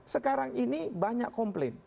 sekarang ini banyak komplain